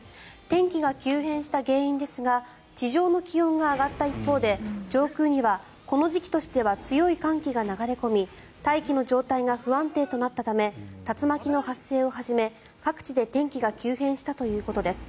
天気が急変した原因ですが地上の気温が上がった一方で上空にはこの時期としては強い寒気が流れ込み大気の状態が不安定となったため竜巻の発生をはじめ、各地で天気が急変したということです。